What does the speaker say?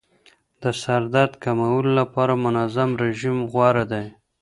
د سردرد کمولو لپاره منظم رژیم غوره دی.